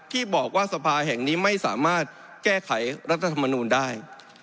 ที่บอกว่าสภาแห่งนี้ไม่สามารถแก้ไขรัฐธรรมนูลได้